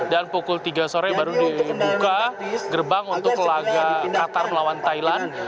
dan pukul tiga sore baru dibuka gerbang untuk laga qatar melawan thailand